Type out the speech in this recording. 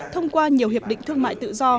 thông qua nhiều hiệp định thương mại tự do